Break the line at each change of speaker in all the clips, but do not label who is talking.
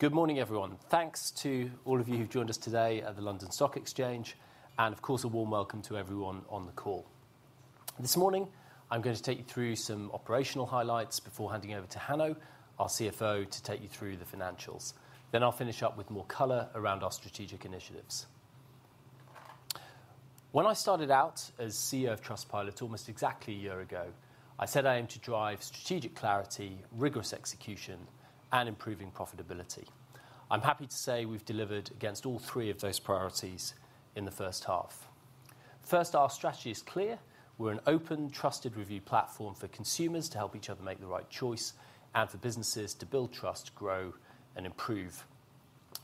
Good morning, everyone. Thanks to all of you who've joined us today at the London Stock Exchange, and of course, a warm welcome to everyone on the call. This morning, I'm going to take you through some operational highlights before handing over to Hanno, our CFO, to take you through the financials. Then I'll finish up with more color around our strategic initiatives. When I started out as CEO of Trustpilot almost exactly a year ago, I said I aim to drive strategic clarity, rigorous execution, and improving profitability. I'm happy to say we've delivered against all three of those priorities in the first half. First, our strategy is clear: We're an open, trusted review platform for consumers to help each other make the right choice and for businesses to build trust, grow, and improve.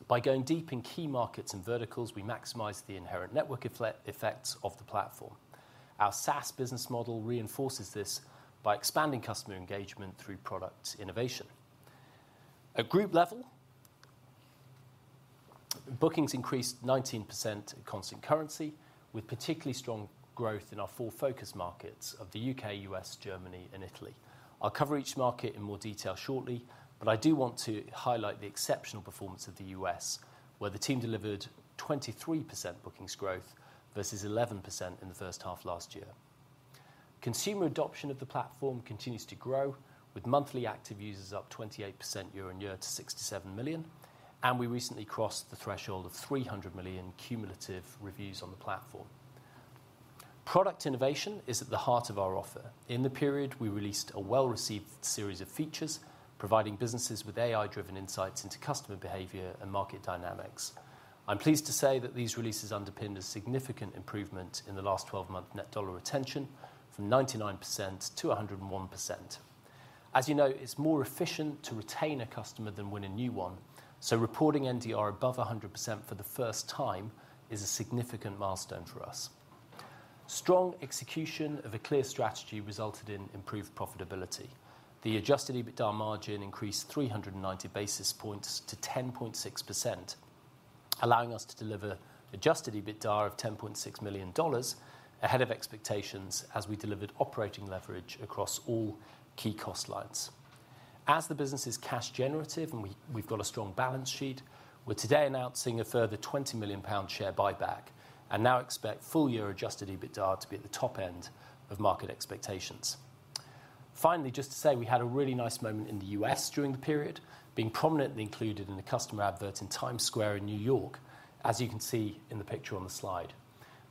By going deep in key markets and verticals, we maximize the inherent network effects of the platform. Our SaaS business model reinforces this by expanding customer engagement through product innovation. At group level, bookings increased 19% in constant currency, with particularly strong growth in our four focus markets of the U.K., U.S., Germany, and Italy. I'll cover each market in more detail shortly, but I do want to highlight the exceptional performance of the U.S., where the team delivered 23% bookings growth versus 11% in the first half last year. Consumer adoption of the platform continues to grow, with monthly active users up 28% year on year to 67 million, and we recently crossed the threshold of 300 million cumulative reviews on the platform. Product innovation is at the heart of our offer. In the period, we released a well-received series of features, providing businesses with AI-driven insights into customer behavior and market dynamics. I'm pleased to say that these releases underpinned a significant improvement in the last twelve-month net dollar retention from 99% - 101%. As you know, it's more efficient to retain a customer than win a new one, so reporting NDR above 100% for the first time is a significant milestone for us. Strong execution of a clear strategy resulted in improved profitability. The adjusted EBITDA margin increased 390 basis points to 10.6%, allowing us to deliver adjusted EBITDA of $10.6 million ahead of expectations as we delivered operating leverage across all key cost lines. As the business is cash generative and we've got a strong balance sheet, we're today announcing a further 20 million pound share buyback and now expect full-year Adjusted EBITDA to be at the top end of market expectations. Finally, just to say we had a really nice moment in the U.S. during the period, being prominently included in a customer advert in Times Square in New York, as you can see in the picture on the slide.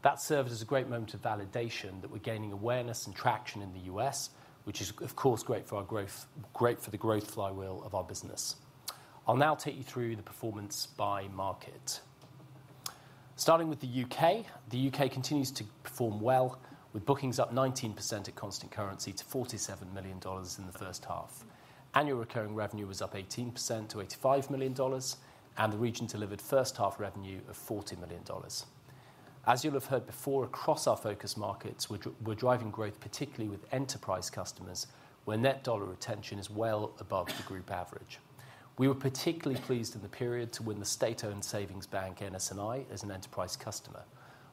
That served as a great moment of validation that we're gaining awareness and traction in the U.S., which is of course great for our growth, great for the growth flywheel of our business. I'll now take you through the performance by market. Starting with the U.K. The U.K. continues to perform well, with bookings up 19% at constant currency to $47 million in the first half. Annual recurring revenue was up 18% - $85 million, and the region delivered first half revenue of $40 million. As you'll have heard before, across our focus markets, we're driving growth, particularly with enterprise customers, where net dollar retention is well above the group average. We were particularly pleased in the period to win the state-owned savings bank, NS&I, as an enterprise customer.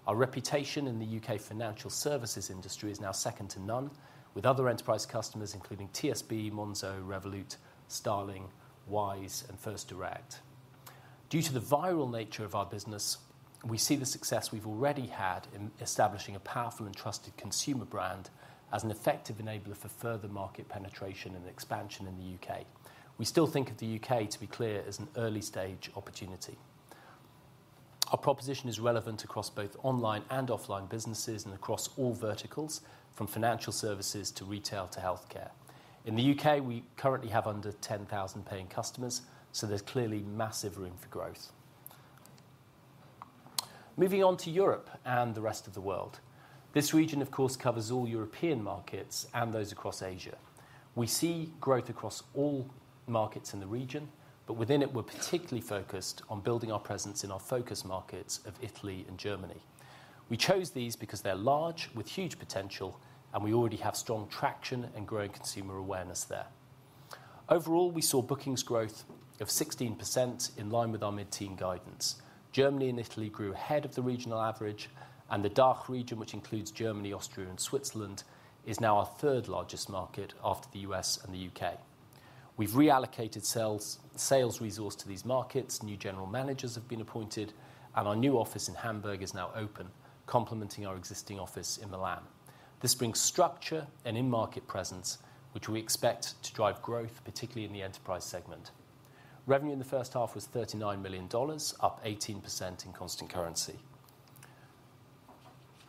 Our reputation in the UK financial services industry is now second to none, with other enterprise customers including TSB, Monzo, Revolut, Starling, Wise, and First Direct. Due to the viral nature of our business, we see the success we've already had in establishing a powerful and trusted consumer brand as an effective enabler for further market penetration and expansion in the UK. We still think of the UK, to be clear, as an early-stage opportunity. Our proposition is relevant across both online and offline businesses and across all verticals, from financial services to retail to healthcare. In the UK, we currently have under 10,000 paying customers, so there's clearly massive room for growth. Moving on to Europe and the rest of the world. This region, of course, covers all European markets and those across Asia. We see growth across all markets in the region, but within it, we're particularly focused on building our presence in our focus markets of Italy and Germany. We chose these because they're large, with huge potential, and we already have strong traction and growing consumer awareness there. Overall, we saw bookings growth of 16%, in line with our mid-term guidance. Germany and Italy grew ahead of the regional average, and the DACH region, which includes Germany, Austria, and Switzerland, is now our third largest market after the U.S. and the U.K. We've reallocated sales, sales resource to these markets, new general managers have been appointed, and our new office in Hamburg is now open, complementing our existing office in Milan. This brings structure and in-market presence, which we expect to drive growth, particularly in the enterprise segment. Revenue in the first half was $39 million, up 18% in constant currency.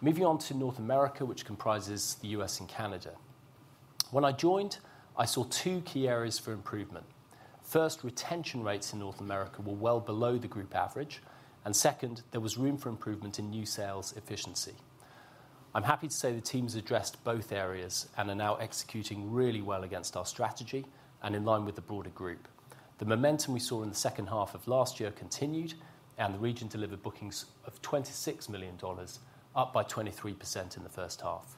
Moving on to North America, which comprises the U.S. and Canada. When I joined, I saw two key areas for improvement. First, retention rates in North America were well below the group average, and second, there was room for improvement in new sales efficiency. I'm happy to say the teams addressed both areas and are now executing really well against our strategy and in line with the broader group. The momentum we saw in the second half of last year continued, and the region delivered bookings of $26 million, up by 23% in the first half.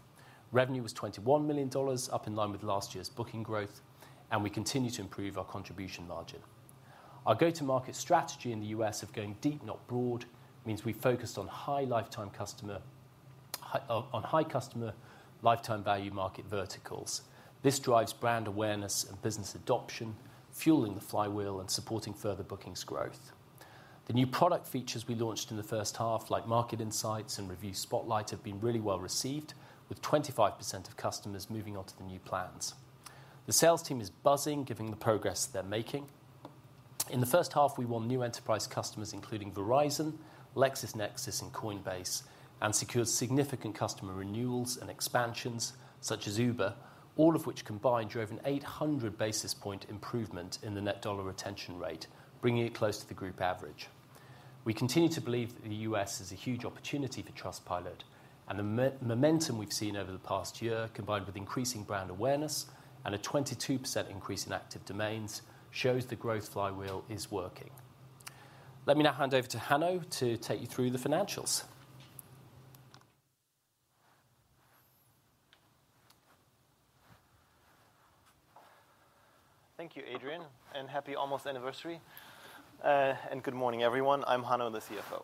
Revenue was $21 million, up in line with last year's booking growth, and we continue to improve our contribution margin. Our go-to-market strategy in the U.S. of going deep, not broad, means we focused on high customer lifetime value market verticals. This drives brand awareness and business adoption, fueling the flywheel and supporting further bookings growth. The new product features we launched in the first half, like Market Insights and Review Spotlight, have been really well-received, with 25% of customers moving on to the new plans. The sales team is buzzing, given the progress they're making. In the first half, we won new enterprise customers, including Verizon, LexisNexis, and Coinbase, and secured significant customer renewals and expansions, such as Uber, all of which combined drove an eight hundred basis points improvement in the net dollar retention rate, bringing it close to the group average. We continue to believe that the U.S. is a huge opportunity for Trustpilot, and the momentum we've seen over the past year, combined with increasing brand awareness and a 22% increase in active domains, shows the growth flywheel is working. Let me now hand over to Hanno to take you through the financials.
Thank you, Adrian, and happy almost anniversary. And good morning, everyone. I'm Hanno, the CFO.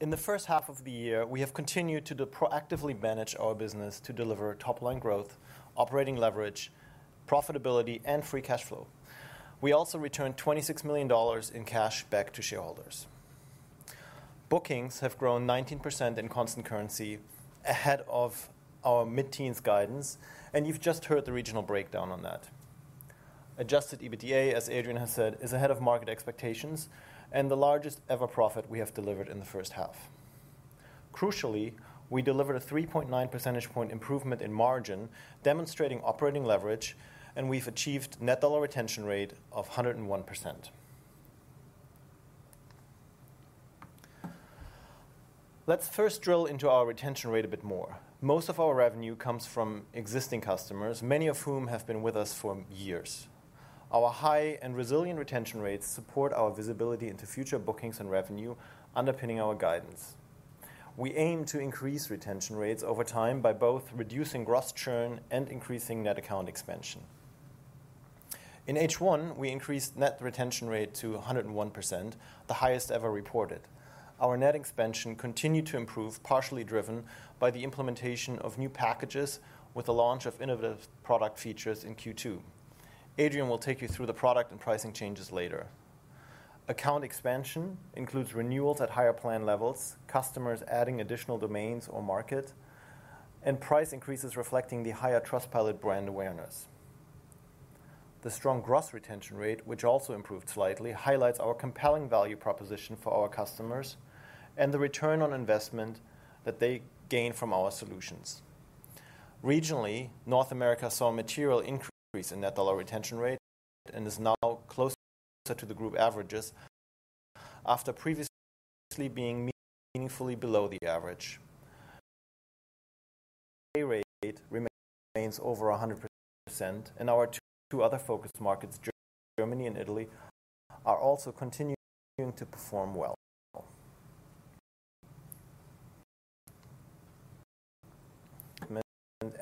In the first half of the year, we have continued to proactively manage our business to deliver top-line growth, operating leverage, profitability, and free cash flow. We also returned $26 million in cash back to shareholders. Bookings have grown 19% in constant currency ahead of our mid-teens guidance, and you've just heard the regional breakdown on that. Adjusted EBITDA, as Adrian has said, is ahead of market expectations and the largest-ever profit we have delivered in the first half. Crucially, we delivered a 3.9% point improvement in margin, demonstrating operating leverage, and we've achieved net dollar retention rate of 101%. Let's first drill into our retention rate a bit more. Most of our revenue comes from existing customers, many of whom have been with us for years. Our high and resilient retention rates support our visibility into future bookings and revenue, underpinning our guidance. We aim to increase retention rates over time by both reducing gross churn and increasing net account expansion. In H1, we increased net retention rate to 101%, the highest ever reported. Our net expansion continued to improve, partially driven by the implementation of new packages with the launch of innovative product features in Q2. Adrian will take you through the product and pricing changes later. Account expansion includes renewals at higher plan levels, customers adding additional domains or market, and price increases reflecting the higher Trustpilot brand awareness. The strong gross retention rate, which also improved slightly, highlights our compelling value proposition for our customers and the return on investment that they gain from our solutions. Regionally, North America saw a material increase in net dollar retention rate and is now closer to the group averages after previously being meaningfully below the average. The rate remains over 100%, and our two other focus markets, Germany and Italy, are also continuing to perform well.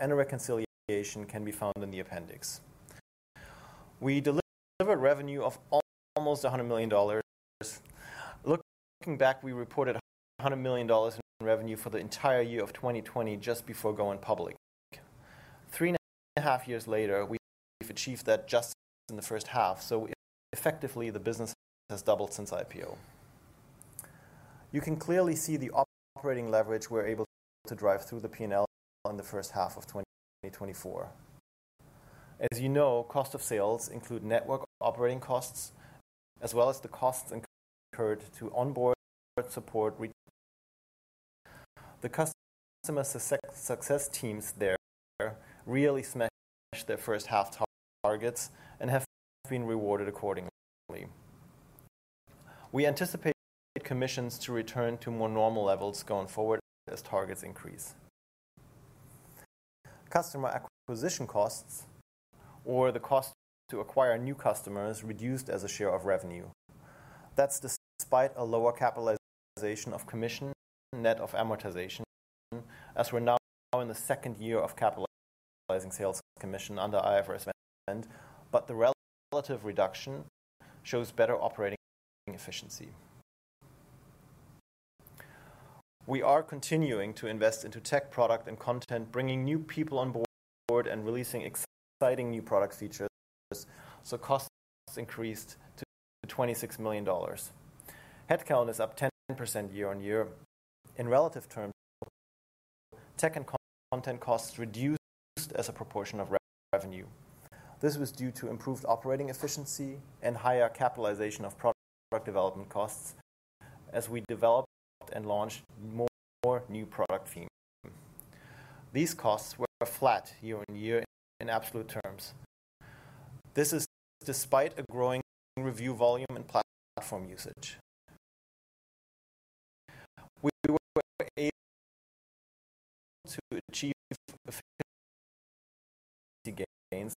A reconciliation can be found in the appendix. We delivered revenue of almost $100 million. Looking back, we reported $100 million in revenue for the entire year of 2020 just before going public. Three and a half years later, we've achieved that just in the first half, so effectively, the business has doubled since IPO. You can clearly see the operating leverage we're able to drive through the PNL in the first half of 2024. As you know, cost of sales include network operating costs, as well as the costs incurred to onboard, support. The customer success teams there really smashed their first half targets and have been rewarded accordingly. We anticipate commissions to return to more normal levels going forward as targets increase. Customer acquisition costs or the cost to acquire new customers reduced as a share of revenue. That's despite a lower capitalization of commission, net of amortization, as we're now in the second year of capitalizing sales commission under IFRS 15, but the relative reduction shows better operating efficiency. We are continuing to invest into tech, product, and content, bringing new people on board and releasing exciting new product features, so costs increased to $26 million. Headcount is up 10% year on year. In relative terms, tech and content costs reduced as a proportion of revenue. This was due to improved operating efficiency and higher capitalization of product development costs as we developed and launched more new product features. These costs were flat year on year in absolute terms. This is despite a growing review volume and platform usage. We were able to achieve efficiency gains.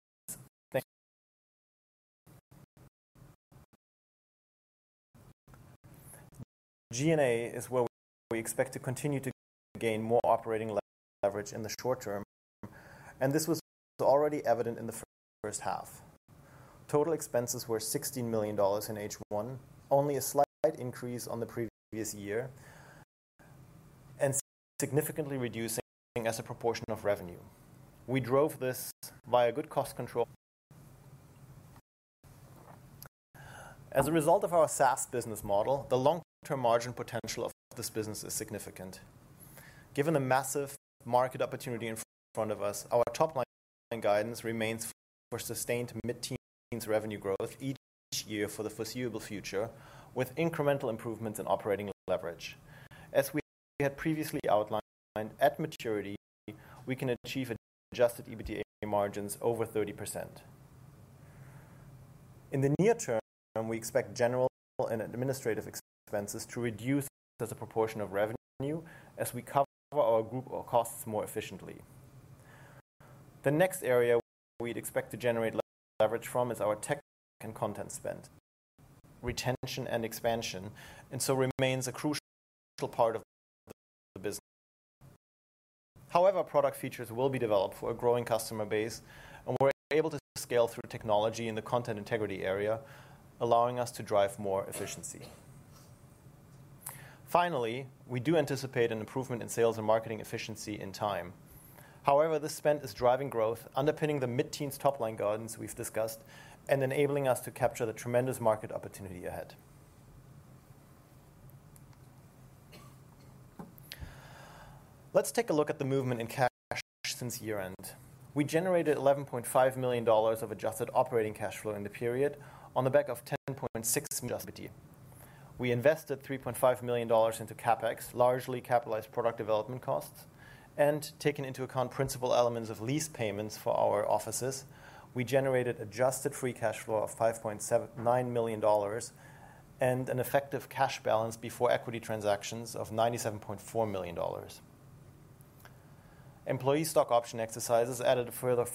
G&A is where we expect to continue to gain more operating leverage in the short term, and this was already evident in the first half. Total expenses were $16 million in H1, only a slight increase on the previous year, and significantly reducing as a proportion of revenue. We drove this via good cost control. As a result of our SaaS business model, the long-term margin potential of this business is significant. Given the massive market opportunity in front of us, our top-line guidance remains for sustained mid-teens revenue growth each year for the foreseeable future, with incremental improvements in operating leverage. As we had previously outlined, at maturity, we can achieve Adjusted EBITDA margins over 30%. In the near term, we expect general and administrative expenses to reduce as a proportion of revenue as we cover our group costs more efficiently. The next area we'd expect to generate leverage from is our tech and content spend. Retention and expansion, and so remains a crucial part of the business. However, product features will be developed for a growing customer base, and we're able to scale through technology in the content integrity area, allowing us to drive more efficiency. Finally, we do anticipate an improvement in sales and marketing efficiency in time. However, this spend is driving growth, underpinning the mid-teens top-line guidance we've discussed, and enabling us to capture the tremendous market opportunity ahead. Let's take a look at the movement in cash since year-end. We generated $11.5 million of adjusted operating cash flow in the period on the back of $10.6 million. We invested $3.5 million into CapEx, largely capitalized product development costs, and taking into account principal elements of lease payments for our offices, we generated adjusted free cash flow of $5.79 million and an effective cash balance before equity transactions of $97.4 million. Employee stock option exercises added a further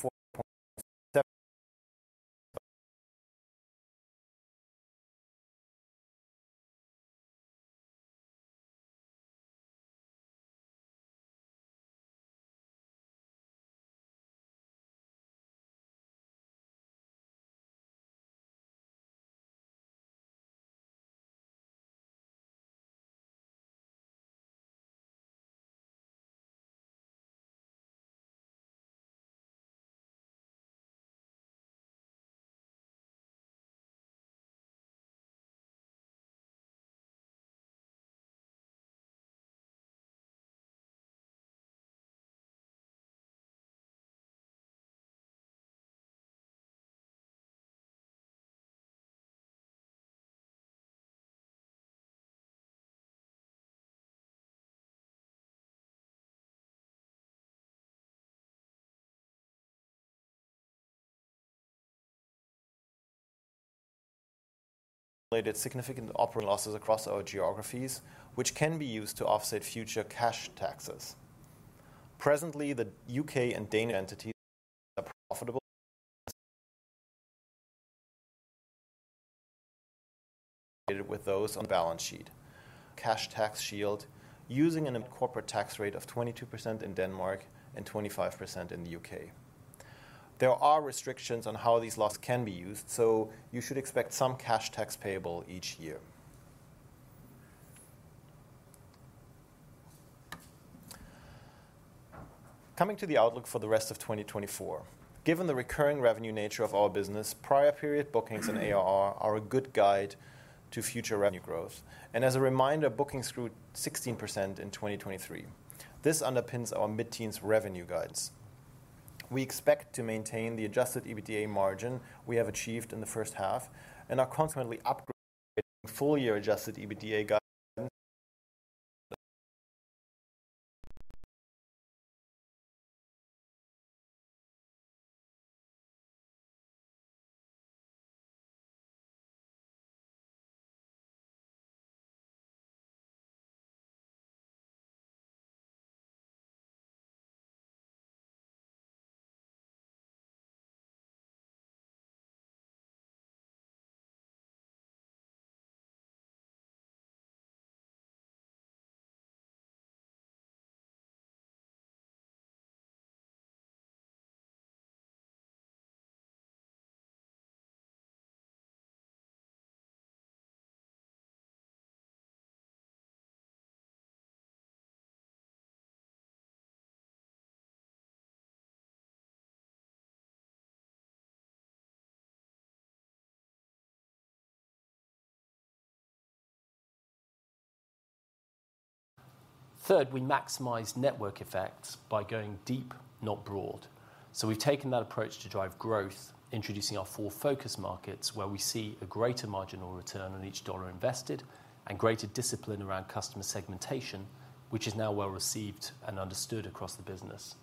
Third, we maximize network effects by going deep, not broad. So we've taken that approach to drive growth, introducing our four focus markets, where we see a greater marginal return on each dollar invested and greater discipline around customer segmentation, which is now well received and understood across the business.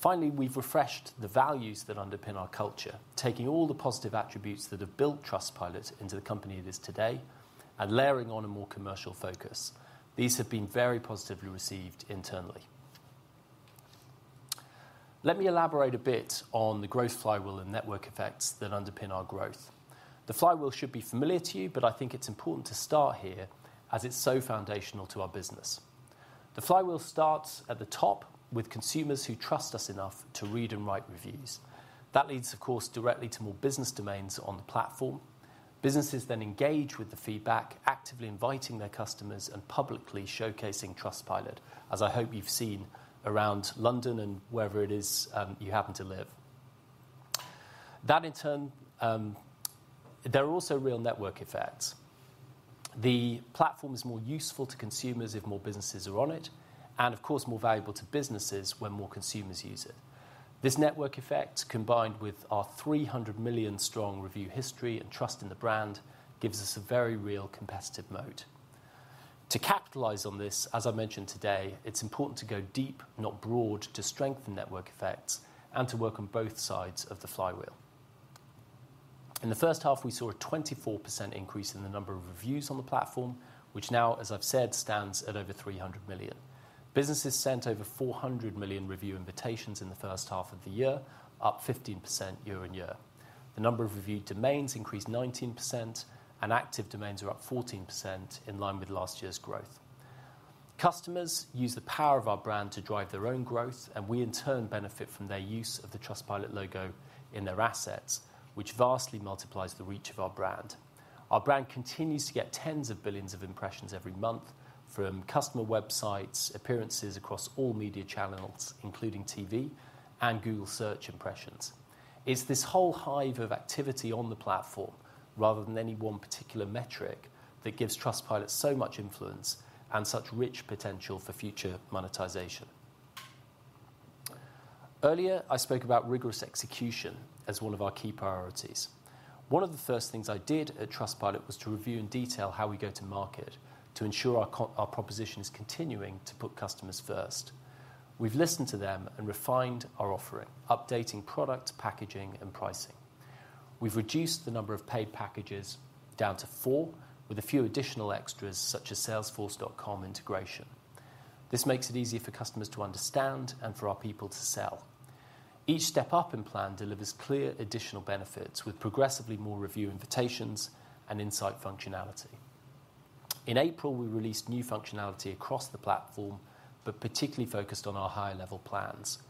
Finally, we've refreshed the values that underpin our culture, taking all the positive attributes that have built Trustpilot into the company it is today and layering on a more commercial focus. These have been very positively received internally. Let me elaborate a bit on the growth flywheel and network effects that underpin our growth... The flywheel should be familiar to you, but I think it's important to start here as it's so foundational to our business. The flywheel starts at the top with consumers who trust us enough to read and write reviews. That leads, of course, directly to more business domains on the platform. Businesses then engage with the feedback, actively inviting their customers and publicly showcasing Trustpilot, as I hope you've seen around London and wherever it is, you happen to live. That in turn, there are also real network effects. The platform is more useful to consumers if more businesses are on it, and of course, more valuable to businesses when more consumers use it. This network effect, combined with our three hundred million strong review history and trust in the brand, gives us a very real competitive moat. To capitalize on this, as I've mentioned today, it's important to go deep, not broad, to strengthen network effects and to work on both sides of the flywheel. In the first half, we saw a 24% increase in the number of reviews on the platform, which now, as I've said, stands at over 300 million. Businesses sent over 400 million review invitations in the first half of the year, up 15% year on year. The number of reviewed domains increased 19%, and active domains are up 14% in line with last year's growth. Customers use the power of our brand to drive their own growth, and we in turn, benefit from their use of the Trustpilot logo in their assets, which vastly multiplies the reach of our brand. Our brand continues to get tens of billions of impressions every month from customer websites, appearances across all media channels, including TV and Google Search impressions. It's this whole hive of activity on the platform, rather than any one particular metric, that gives Trustpilot so much influence and such rich potential for future monetization. Earlier, I spoke about rigorous execution as one of our key priorities. One of the first things I did at Trustpilot was to review in detail how we go to market to ensure our proposition is continuing to put customers first. We've listened to them and refined our offering, updating product, packaging and pricing. We've reduced the number of paid packages down to four, with a few additional extras such as Salesforce.com integration. This makes it easier for customers to understand and for our people to sell. Each step up in plan delivers clear additional benefits with progressively more review invitations and insight functionality. In April, we released new functionality across the platform, but particularly focused on our higher level plans.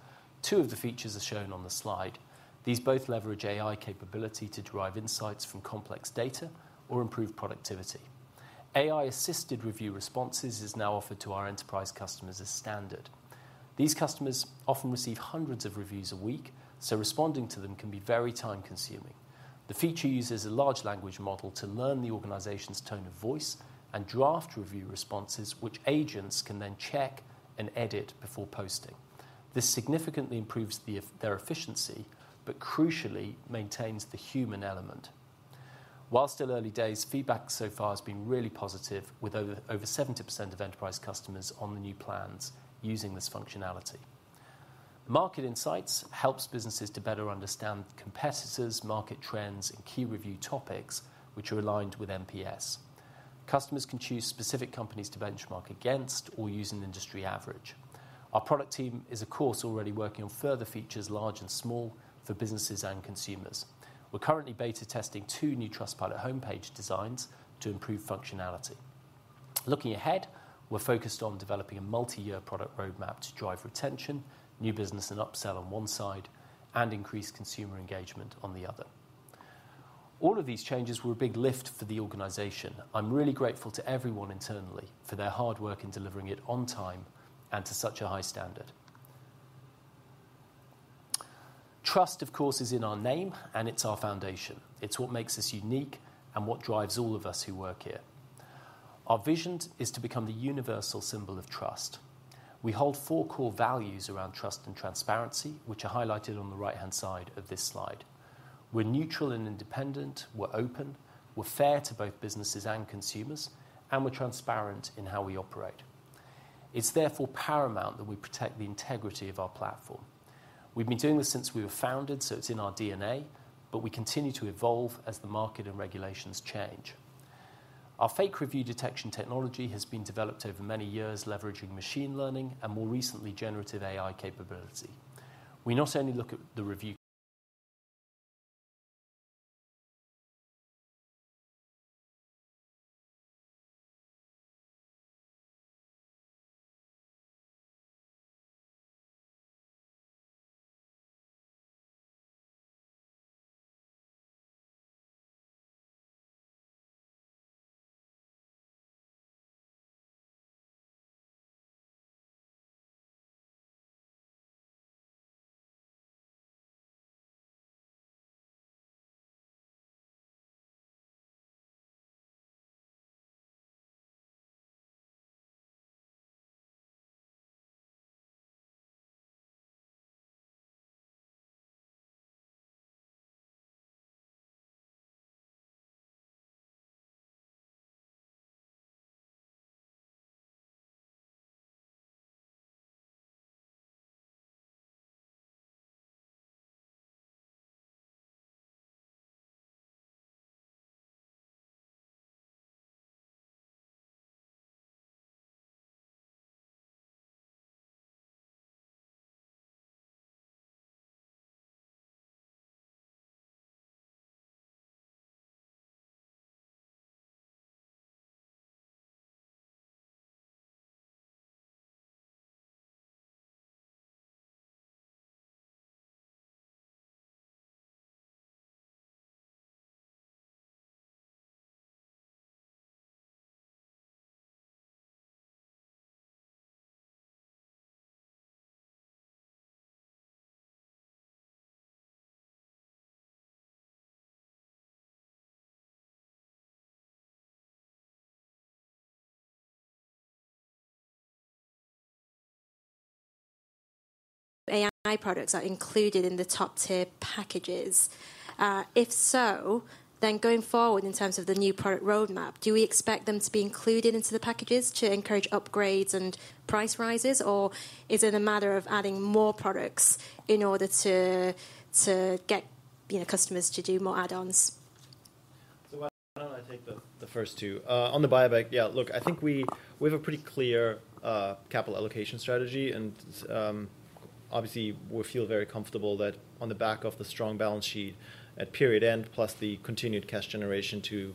Two of the features are shown on the slide. These both leverage AI capability to derive insights from complex data or improve productivity. AI-assisted review responses is now offered to our enterprise customers as standard. These customers often receive hundreds of reviews a week, so responding to them can be very time-consuming. The feature uses a large language model to learn the organization's tone of voice and draft review responses, which agents can then check and edit before posting. This significantly improves their efficiency, but crucially maintains the human element. While still early days, feedback so far has been really positive, with over 70% of enterprise customers on the new plans using this functionality. Market Insights helps businesses to better understand competitors, market trends and key review topics which are aligned with NPS. Customers can choose specific companies to benchmark against or use an industry average. Our product team is, of course, already working on further features, large and small, for businesses and consumers. We're currently beta testing two new Trustpilot homepage designs to improve functionality. Looking ahead, we're focused on developing a multi-year product roadmap to drive retention, new business and upsell on one side, and increase consumer engagement on the other. All of these changes were a big lift for the organization. I'm really grateful to everyone internally for their hard work in delivering it on time and to such a high standard. Trust, of course, is in our name, and it's our foundation. It's what makes us unique and what drives all of us who work here. Our vision is to become the universal symbol of trust. We hold four core values around trust and transparency, which are highlighted on the right-hand side of this slide. We're neutral and independent, we're open, we're fair to both businesses and consumers, and we're transparent in how we operate. It's therefore paramount that we protect the integrity of our platform. We've been doing this since we were founded, so it's in our DNA, but we continue to evolve as the market and regulations change. Our fake review detection technology has been developed over many years, leveraging machine learning and more recently, generative AI capability. We not only look at the review- ... AI products are included in the top-tier packages. If so, then going forward, in terms of the new product roadmap, do we expect them to be included into the packages to encourage upgrades and price rises? Or is it a matter of adding more products in order to get, you know, customers to do more add-ons? So why don't I take the first two? On the buyback, yeah, look, I think we have a pretty clear capital allocation strategy, and obviously, we feel very comfortable that on the back of the strong balance sheet at period end, plus the continued cash generation to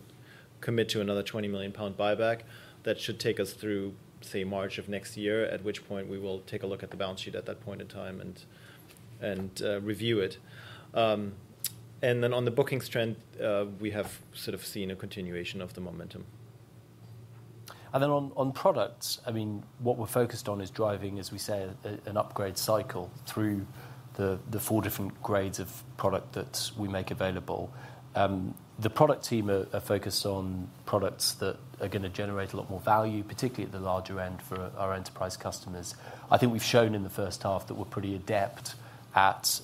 commit to another 20 million pound buyback, that should take us through, say, March of next year, at which point we will take a look at the balance sheet at that point in time, and review it. And then on the bookings trend, we have sort of seen a continuation of the momentum. And then on products, I mean, what we're focused on is driving, as we say, an upgrade cycle through the four different grades of product that we make available. The product team are focused on products that are gonna generate a lot more value, particularly at the larger end for our enterprise customers. I think we've shown in the first half that we're pretty adept at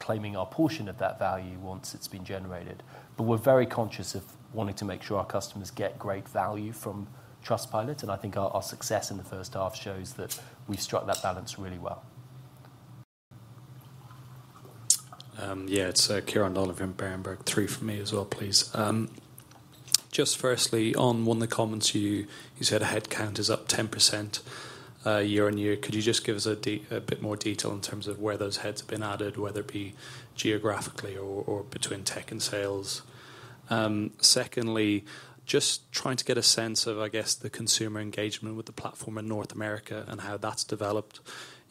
claiming our portion of that value once it's been generated. But we're very conscious of wanting to make sure our customers get great value from Trustpilot, and I think our success in the first half shows that we've struck that balance really well.
Yeah, it's Kieran Donovan, Berenberg. Three from me as well, please. Just firstly, on one of the comments, you said headcount is up 10% year on year. Could you just give us a bit more detail in terms of where those heads have been added, whether it be geographically or between tech and sales? Secondly, just trying to get a sense of, I guess, the consumer engagement with the platform in North America and how that's developed.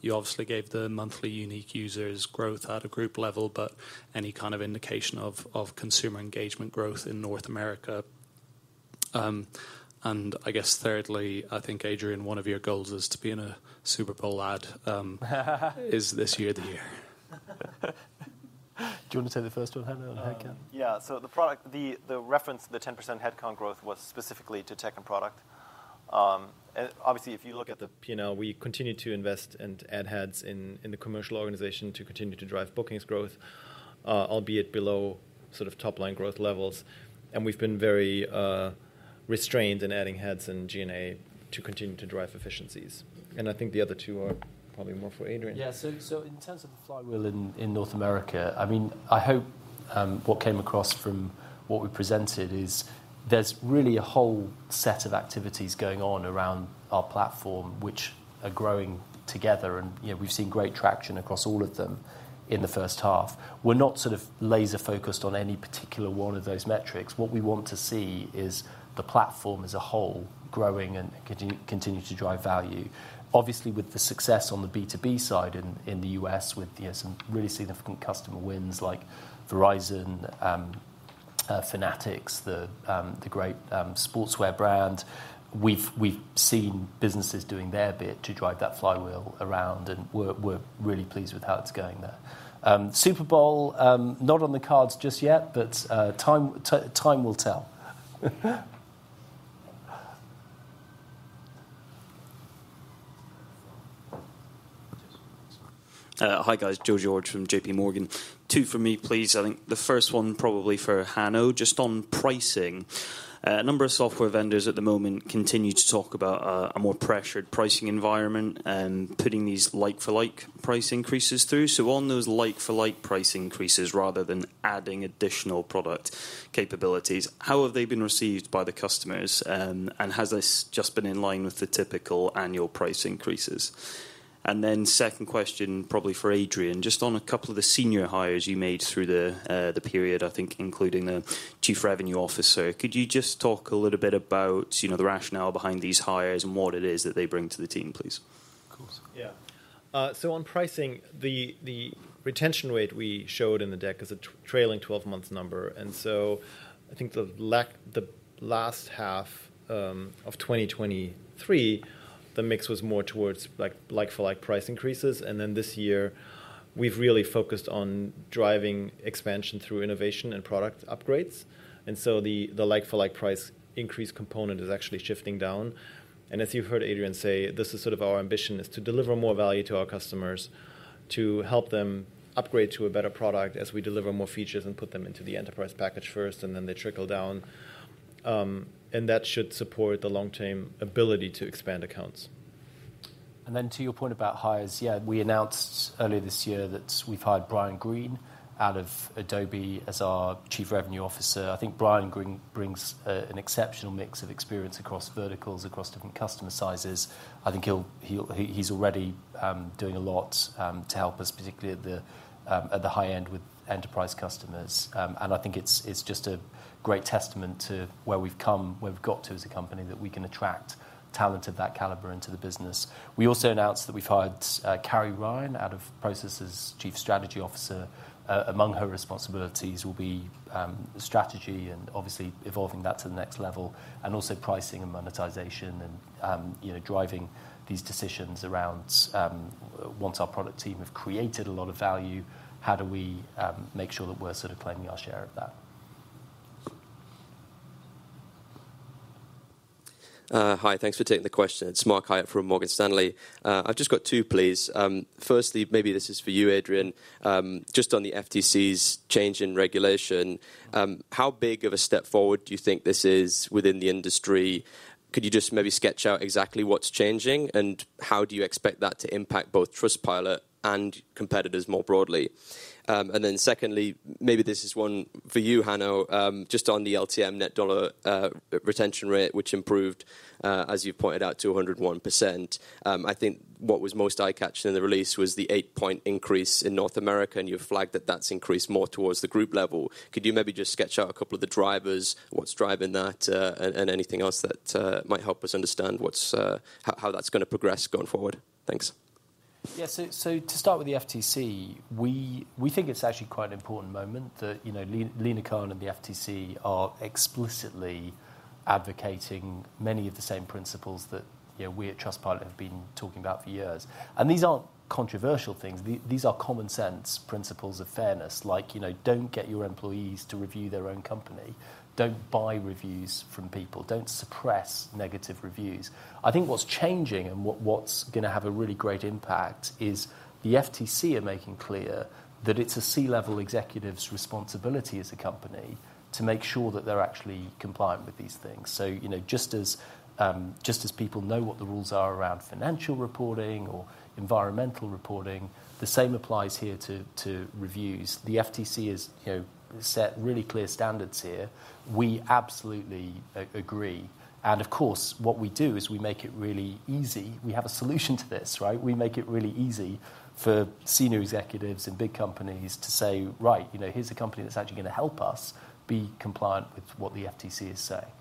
You obviously gave the monthly unique users growth at a group level, but any kind of indication of consumer engagement growth in North America? And I guess thirdly, I think, Adrian, one of your goals is to be in a Super Bowl ad. Is this year the year?
Do you want to take the first one, Hanno, on headcount?
Yeah. So the reference to the 10% headcount growth was specifically to tech and product. And obviously, if you look at the P&L, we continue to invest and add heads in the commercial organization to continue to drive bookings growth, albeit below sort of top-line growth levels. And we've been very restrained in adding heads and G&A to continue to drive efficiencies. And I think the other two are probably more for Adrian.
Yeah. So in terms of the flywheel in North America, I mean, I hope what came across from what we presented is there's really a whole set of activities going on around our platform, which are growing together, and, you know, we've seen great traction across all of them in the first half. We're not sort of laser-focused on any particular one of those metrics. What we want to see is the platform as a whole growing and continuing to drive value. Obviously, with the success on the B2B side in the U.S., with some really significant customer wins like Verizon, Fanatics, the great sportswear brand, we've seen businesses doing their bit to drive that flywheel around, and we're really pleased with how it's going there. Super Bowl, not on the cards just yet, but time will tell.
Hi, guys, Joe George from J.P. Morgan. Two for me, please. I think the first one, probably for Hanno, just on pricing. A number of software vendors at the moment continue to talk about a more pressured pricing environment and putting these like-for-like price increases through. So on those like-for-like price increases, rather than adding additional product capabilities, how have they been received by the customers? And has this just been in line with the typical annual price increases? And then second question, probably for Adrian, just on a couple of the senior hires you made through the period, I think including the chief revenue officer. Could you just talk a little bit about, you know, the rationale behind these hires and what it is that they bring to the team, please?
Of course. Yeah. So on pricing, the retention rate we showed in the deck is a trailing twelve-month number, and so I think the last half of 2023, the mix was more towards like-for-like price increases, and then this year, we've really focused on driving expansion through innovation and product upgrades. And so the like-for-like price increase component is actually shifting down. And as you've heard Adrian say, this is sort of our ambition, is to deliver more value to our customers, to help them upgrade to a better product as we deliver more features and put them into the enterprise package first, and then they trickle down. And that should support the long-term ability to expand accounts....
And then to your point about hires, yeah, we announced earlier this year that we've hired Brian Green out of Adobe as our Chief Revenue Officer. I think Brian Green brings an exceptional mix of experience across verticals, across different customer sizes. I think he's already doing a lot to help us, particularly at the high end with enterprise customers. And I think it's just a great testament to where we've come, where we've got to as a company, that we can attract talent of that caliber into the business. We also announced that we've hired Carrie Ryan out of Prosus as our Chief Strategy Officer. Among her responsibilities will be strategy and obviously evolving that to the next level, and also pricing and monetization and, you know, driving these decisions around once our product team have created a lot of value, how do we make sure that we're sort of claiming our share of that?
Hi, thanks for taking the question. It's Mark Hyatt from Morgan Stanley. I've just got two, please. Firstly, maybe this is for you, Adrian. Just on the FTC's change in regulation, how big of a step forward do you think this is within the industry? Could you just maybe sketch out exactly what's changing, and how do you expect that to impact both Trustpilot and competitors more broadly? And then secondly, maybe this is one for you, Hanno, just on the LTM net dollar retention rate, which improved, as you pointed out, to 101%. I think what was most eye-catching in the release was the eight-point increase in North America, and you've flagged that that's increased more towards the group level. Could you maybe just sketch out a couple of the drivers, what's driving that, and anything else that might help us understand what's how that's gonna progress going forward? Thanks.
Yeah. So to start with the FTC, we think it's actually quite an important moment that, you know, Lina Khan and the FTC are explicitly advocating many of the same principles that, you know, we at Trustpilot have been talking about for years. And these aren't controversial things. These are common sense principles of fairness, like, you know, don't get your employees to review their own company. Don't buy reviews from people. Don't suppress negative reviews. I think what's changing and what's gonna have a really great impact is the FTC are making clear that it's a C-level executive's responsibility as a company to make sure that they're actually compliant with these things. So, you know, just as people know what the rules are around financial reporting or environmental reporting, the same applies here to reviews. The FTC has, you know, set really clear standards here. We absolutely agree, and of course, what we do is we make it really easy. We have a solution to this, right? We make it really easy for senior executives in big companies to say, "Right, you know, here's a company that's actually gonna help us be compliant with what the FTC is saying.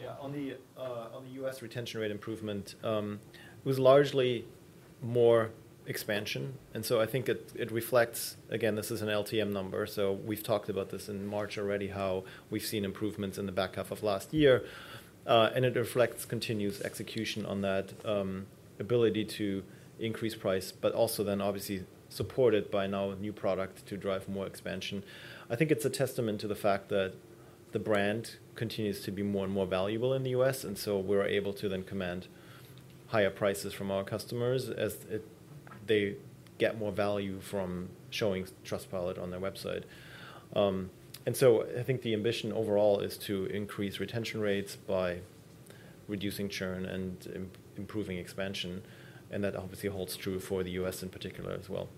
Yeah. On the U.S. retention rate improvement, it was largely more expansion, and so I think it reflects. Again, this is an LTM number, so we've talked about this in March already, how we've seen improvements in the back half of last year. And it reflects continuous execution on that ability to increase price, but also then obviously supported by now a new product to drive more expansion. I think it's a testament to the fact that the brand continues to be more and more valuable in the U.S., and so we're able to then command higher prices from our customers as they get more value from showing Trustpilot on their website. And so I think the ambition overall is to increase retention rates by reducing churn and improving expansion, and that obviously holds true for the U.S. in particular as well.